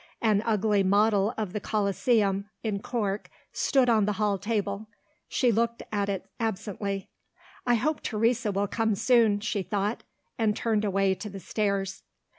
An ugly model of the Colosseum, in cork, stood on the hall table. She looked at it absently. "I hope Teresa will come soon," she thought and turned away to the stairs.